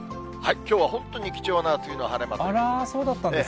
きょうは本当に貴重な梅雨の晴れ間ということで。